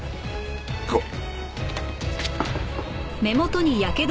行こう。